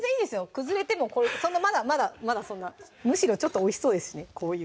崩れてもそんなまだまだまだそんなむしろちょっとおいしそうですしね